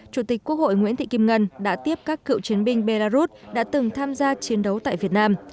chủ tịch quốc hội nguyễn thị kim ngân đã tiếp các cựu chiến binh belarus đã từng tham gia chiến đấu tại việt nam